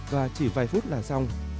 và chỉ vài phút là xong